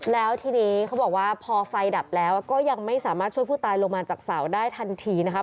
แล้วทีนี้เขาบอกว่าพอไฟดับแล้วก็ยังไม่สามารถช่วยผู้ตายลงมาจากเสาได้ทันทีนะครับ